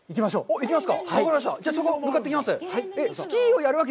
行きますか？